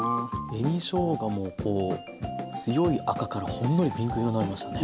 紅しょうがもこう強い赤からほんのりピンク色になりましたね。